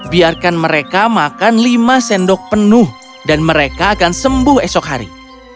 biarkan mereka makan lima sendok penuh dan mereka akan sembuh esok hari